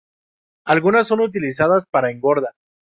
Algunas son utilizadas para engorda.